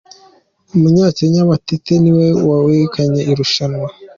Umunyakenya Matete niwe wegukanye irushanwa